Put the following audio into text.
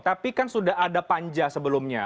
tapi kan sudah ada panja sebelumnya